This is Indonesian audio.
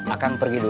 aku mau pergi dulu